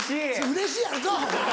「うれしい」あるか！